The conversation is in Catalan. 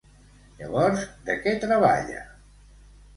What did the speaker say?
Llavors, de què treballà?